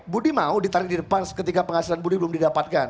budi mau ditarik di depan ketika penghasilan budi belum didapatkan